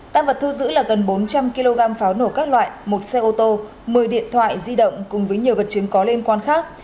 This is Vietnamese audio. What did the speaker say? tăng vật thu giữ là gần bốn trăm linh kg pháo nổ các loại một xe ô tô một mươi điện thoại di động cùng với nhiều vật chứng có liên quan khác